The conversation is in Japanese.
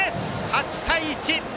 ８対１。